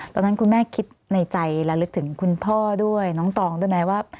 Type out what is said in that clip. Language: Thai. ตอนนั้นคุณแม่คิดในใจและลึกถึงคุณพ่อด้วยน้องตองด้วยไหมว่า